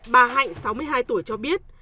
bà hạnh sáu mươi hai tuổi cho biết